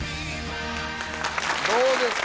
どうですか？